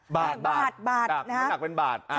บาทบาทบาทบาท